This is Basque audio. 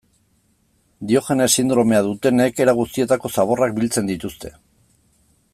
Diogenes sindromea dutenek era guztietako zaborrak biltzen dituzte.